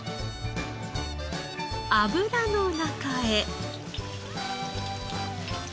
油の中へ。